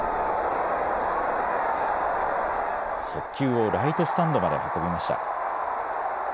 速球をライトスタンドまで運びました。